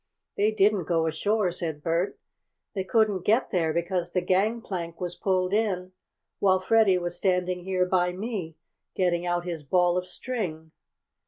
"They didn't go ashore," said Bert. "They couldn't get there, because the gangplank was pulled in while Freddie was standing here by me, getting out his ball of string."